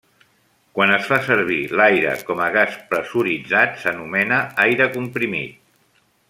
Quan es fa servir l'aire com a gas pressuritzat s'anomena aire comprimit.